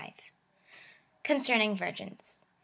Concerning virgins.